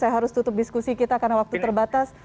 saya harus tutup diskusi kita karena waktu terbatas